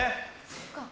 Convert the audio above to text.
そっか。